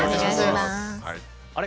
あれ？